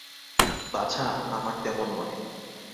বাছা আমার তেমন নহে।